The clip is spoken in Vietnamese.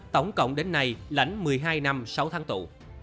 tổng cộng đến nay lãnh một mươi hai năm sáu tháng tù